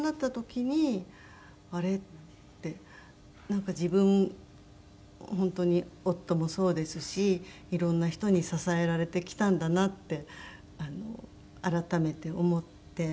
なんか自分本当に夫もそうですしいろんな人に支えられてきたんだなって改めて思って。